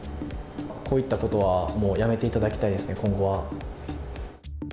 こういったことはもうやめていただきたいですね、今後は。